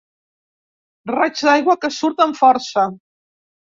Raig d'aigua que surt amb força.